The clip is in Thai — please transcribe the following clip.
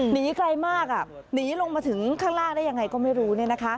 หนีไกลมากหนีลงมาถึงข้างล่างได้ยังไงก็ไม่รู้